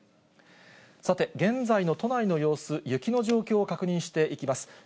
さて、現在の都内の様子、雪の状況を確認していきます。